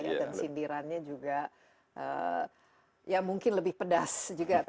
dan sindirannya juga ya mungkin lebih pedas juga